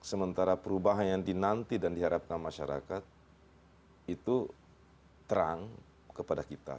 sementara perubahan yang dinanti dan diharapkan masyarakat itu terang kepada kita